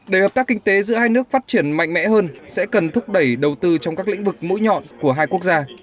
để hợp tác kinh tế giữa hai nước phát triển mạnh mẽ hơn sẽ cần thúc đẩy đầu tư trong các lĩnh vực mũi nhọn của hai quốc gia